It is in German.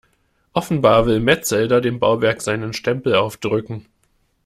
Offenbar will Metzelder dem Bauwerk seinen Stempel aufdrücken.